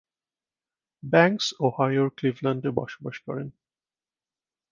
Banks ওহাইওর ক্লিভল্যান্ডে বসবাস করেন।